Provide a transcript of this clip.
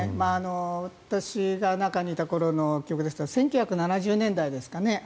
私が中にいた頃の記憶ですと１９７０年代ですかね